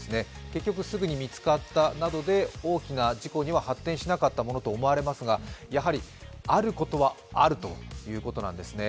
結局、すぐに見つかったなどで大きな事故には発展しなかったものと思われますがやはり、あることはあるということなんですね。